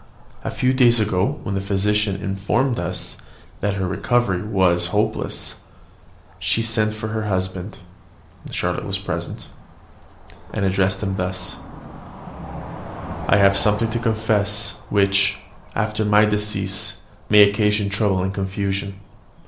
A few days ago, when the physician informed us that her recovery was hopeless, she sent for her husband (Charlotte was present), and addressed him thus: "I have something to confess, which, after my decease, may occasion trouble and confusion.